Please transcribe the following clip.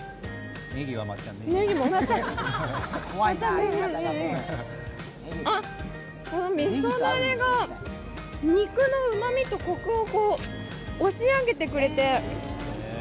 味噌だれが、肉のうまみとこくを押し上げてくれて。